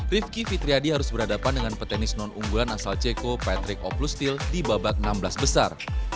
rifki fitriadi harus berhadapan dengan petenis non unggulan asal ceko patrick oplustil di babak enam belas besar